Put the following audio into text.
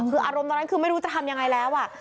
คืออารมณ์ตอนนั้นคือไม่รู้จะทำยังไงแล้ว